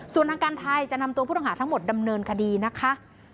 ส่วนทางการไทยจะนำตัวผู้ต้องหาทั้งหมดดำเนินคดีนะคะ